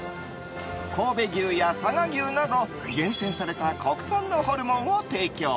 神戸牛や佐賀牛など厳選された国産のホルモンを提供。